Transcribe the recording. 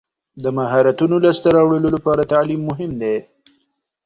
د مهارتونو لاسته راوړلو لپاره تعلیم مهم دی.